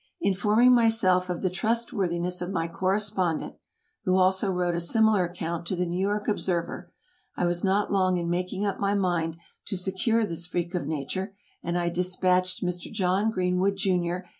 Informing myself of the trustworthiness of my correspondent (who also wrote a similar account to the New York Observer), I was not long in making up my mind to secure this freak of nature; and I despatched Mr. John Greenwood, Jr.